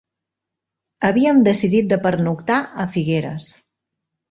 Havíem decidit de pernoctar a Figueres.